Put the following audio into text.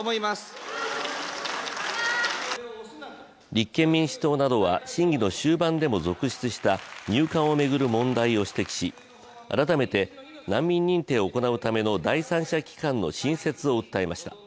立憲民主党などは審議の終盤でも続出した入管を巡る問題を指摘し、改めて難民認定を行うための第三者機関の新設を訴えました。